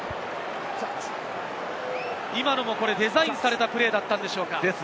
今のもデザインされたプレーだったでしょうか？